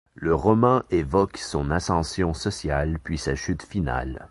Le roman évoque son ascension sociale puis sa chute finale.